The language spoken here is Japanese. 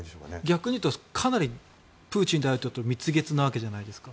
逆にいうとかなりプーチン大統領と蜜月なわけじゃないですか。